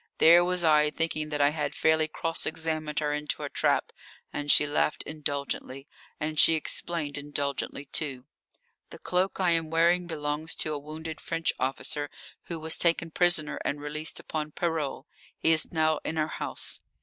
There was I thinking that I had fairly cross examined her into a trap, and she laughed indulgently. And she explained indulgently, too. "The cloak I am wearing belongs to a wounded French officer who was taken prisoner and released upon parole. He is now in our house."